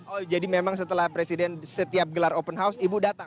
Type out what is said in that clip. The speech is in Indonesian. oh jadi memang setelah presiden setiap gelar open house ibu datang